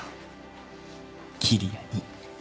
桐矢に。